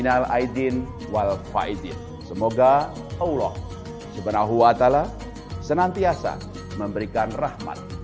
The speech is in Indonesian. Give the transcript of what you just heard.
dan kembali membangkitkan gairah ekonomi